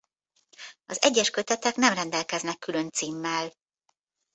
Az egyes kötetek nem rendelkeznek külön címmel.